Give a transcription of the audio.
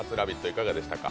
いかがでしたか？